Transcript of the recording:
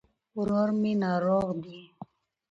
ورور مي ناروغ دي